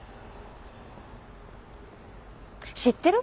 知ってる？